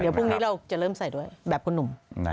เดี๋ยวพรุ่งนี้เราจะเริ่มใส่ด้วยแบบคุณหนุ่ม